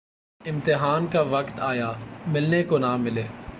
امتحان کا وقت آیا‘ ملنے کو نہ ملے۔